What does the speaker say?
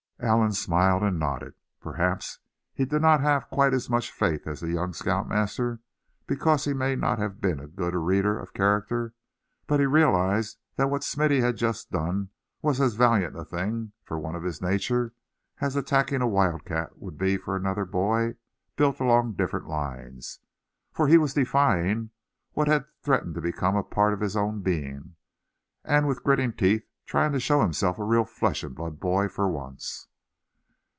Allan smiled, and nodded. Perhaps he did not have quite as much faith as the young scout master, because he may not have been as good a reader of character; but he realized that what Smithy had just done was as valiant a thing for one of his nature as attacking a wildcat would be for another boy, built along different lines. For he was defying what had threatened to become a part of his own being, and with gritting teeth trying to show himself a real flesh and blood boy for once.